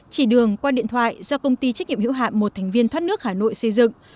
chỉ đường qua điện thoại do công ty trách nhiệm hữu hạm một thành viên thoát nước hà nội xây dựng